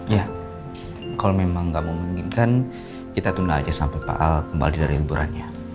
iya kalau memang nggak memungkinkan kita tunda aja sampai pak al kembali dari liburannya